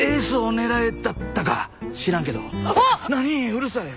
うるさい。